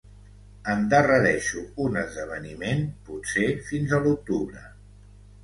Endarrereixo un esdeveniment, potser fins a l'octubre.